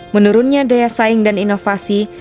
menurunnya daya saing dan inovasi